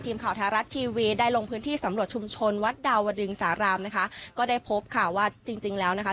ทีมข่าวแท้รัฐทีวีได้ลงพื้นที่สำรวจชุมชนวัดดาวดึงสารามนะคะก็ได้พบค่ะว่าจริงจริงแล้วนะคะ